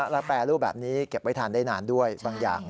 แล้วแปรรูปแบบนี้เก็บไว้ทานได้นานด้วยบางอย่าง